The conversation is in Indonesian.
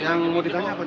yang mau ditanya apa tadi